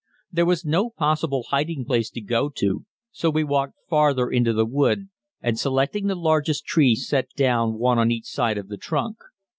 There was no possible hiding place to go to, so we walked farther into the wood and selecting the largest tree sat down one each side of the trunk.